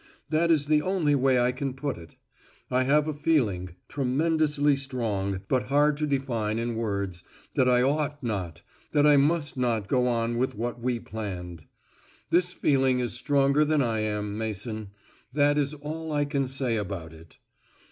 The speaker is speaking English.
That is the only way I can put it. I have a feeling, tremendously strong, but hard to define in words, that I ought not, that I must not go on with what we planned._ _This feeling is stronger than I am, Mason. That is all I can say about it.